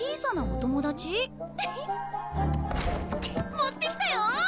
持ってきたよ！